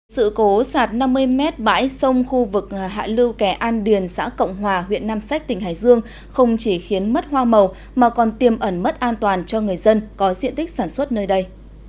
sự cố sạt năm mươi m bãi sông khu vực hạ lưu kẻ an điền xã cộng hòa huyện nam sách tỉnh hải dương không chỉ khiến mất hoa màu mà còn tiêm ẩn mất an toàn cho người dân có diện tích sản xuất nơi đây